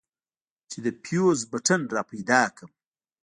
چې د فيوز بټن راپيدا کړم.